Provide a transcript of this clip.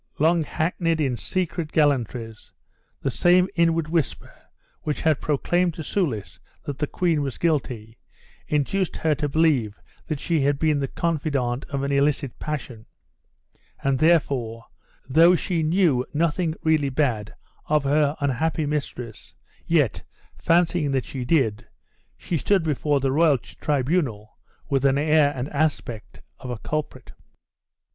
Long backneyed in secret gallantries, the same inward whisper which had proclaimed to Soulis that the queen was guilty, induced her to believe that she had been the confidante of an illicit passion; and therefore, though she knew nothing really bad of her unhappy mistress, yet, fancying that she did, she stood before the royal tribunal with the air and aspect of a culprit.